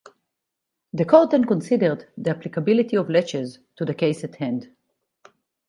The Court then considered the applicability of laches to the case at hand.